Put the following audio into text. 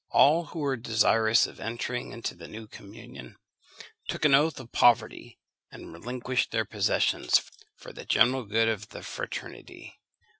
All who were desirous of entering into the new communion took an oath of poverty, and relinquished their possessions for the general good of the fraternity.